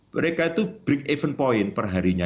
mereka itu break even point perharinya